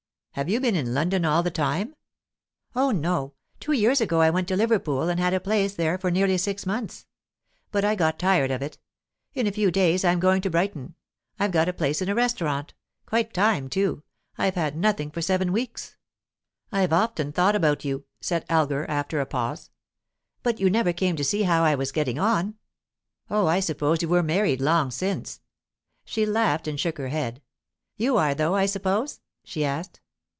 "Have you been in London all the time?" "Oh no. Two years ago I went back to Liverpool, and had a place there for nearly six months. But I got tired of it. In a few days I'm going to Brighton; I've got a place in a restaurant. Quite time, too; I've had nothing for seven weeks." "I've often thought about you," said Elgar, after a pause. "But you never came to see how I was getting on." "Oh, I supposed you were married long since." She laughed, and shook her head. "You are, though, I suppose?" she asked.